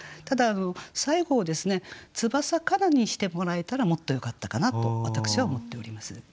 ただ最後をですね「翼かな」にしてもらえたらもっとよかったかなと私は思っております。